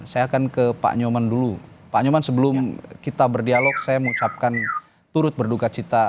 saya akan ke pak nyoman dulu pak nyoman sebelum kita berdialog saya mengucapkan turut berduka cita